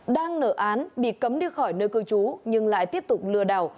đang nở án bị cấm đi khỏi nơi cư trú nhưng lại tiếp tục lừa đảo